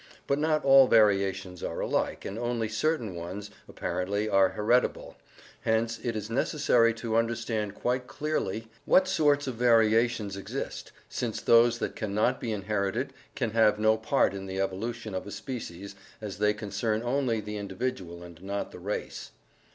But not all variations are alike, and only certain ones, apparently, are heritable, hence it is necessary to understand quite clearly what sorts of variations exist, since those that can not be inherited can have no part in the evolution of a species, as they concern only the in dividual and not the race.